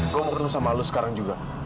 gw mau ketemu sama lu sekarang juga